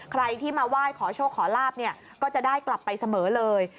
ใครที่มาไหว้ขอโชคขอลาบเนี่ยก็จะได้กลับไปเสมอเลย